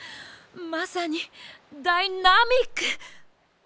まさにダイナミック！へ？